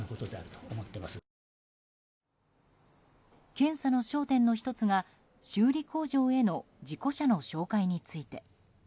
検査の焦点の１つが修理工場への事故車の紹介について。